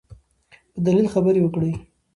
په دلیل خبرې وکړئ.